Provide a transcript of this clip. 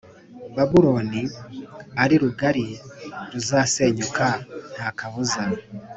Babuloni ari rugari ruzasenyuka nta kabuza